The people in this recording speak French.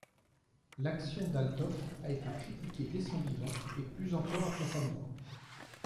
L'action d'Althoff a été critiquée dès son vivant, et plus encore après sa mort.